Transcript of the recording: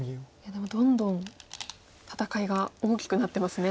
でもどんどん戦いが大きくなってますね。